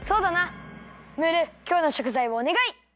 ムールきょうのしょくざいをおねがい！